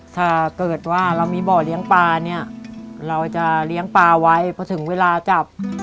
ถ้าเกิดว่าเรามีบ่อเลี้ยงปลาเนี่ยเราจะเลี้ยงปลาไว้เพราะถึงเวลาจับ